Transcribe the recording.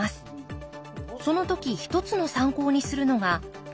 その時一つの参考にするのが視聴率。